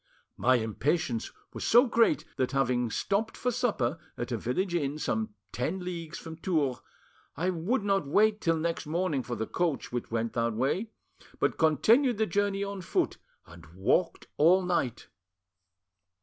My impatience was so great, that, having stopped for supper at a village inn some ten leagues from Tours, I would not wait till the next morning for the coach which went that way, but continued the journey on foot and walked all night.